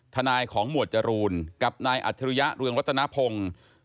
ทนายของหมวดจรูลกับนายอัจรุยเรืองลศนพงษ์